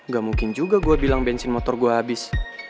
gak mungkin juga gua bilang bensin motor gua abis